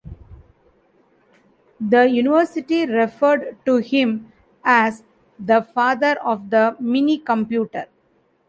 The university referred to him as "the father of the minicomputer".